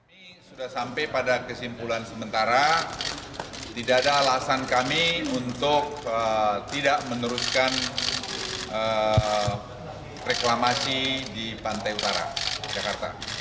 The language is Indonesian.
ini sudah sampai pada kesimpulan sementara tidak ada alasan kami untuk tidak meneruskan reklamasi di pantai utara jakarta